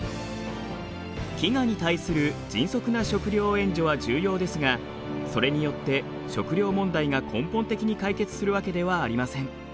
飢餓に対する迅速な食料援助は重要ですがそれによって食料問題が根本的に解決するわけではありません。